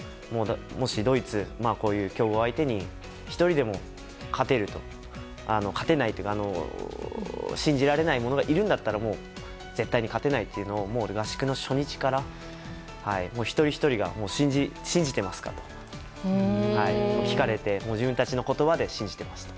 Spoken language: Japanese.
もしドイツ、そういう強豪相手に１人でも勝てないって信じられない者がいるんだったら、もう絶対に勝てないというのを合宿の初日から一人ひとりが信じてますか？と聞かれて、自分たちの言葉で信じてますと。